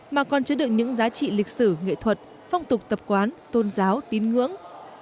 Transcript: mà còn chứa được những giá trị lịch sử nghệ thuật phong tục tập quán tôn giáo tín ngưỡng